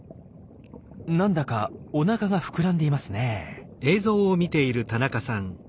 何だかおなかがふくらんでいますね。